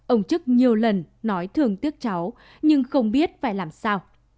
ông trức nhiều lần nói thường tiếc cháu nhưng không biết phải làm sao